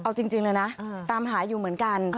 เอาจริงเลยนะตามหาอยู่เหมือนกัน